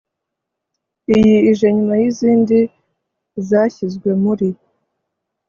iyi ije nyuma y'izindi zashyizwe muri